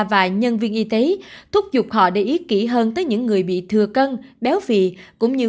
và nhân viên y tế thúc giục họ để ý kỹ hơn tới những người bị thừa cân béo phì cũng như